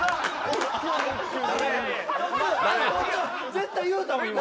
絶対言うたもん今。